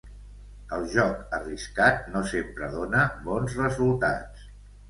El joc arriscat no sempre dona bons resultats.